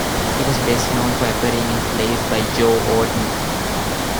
He was best known for appearing in plays by Joe Orton.